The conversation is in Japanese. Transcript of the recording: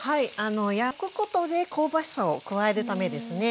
焼くことで香ばしさを加えるためですね。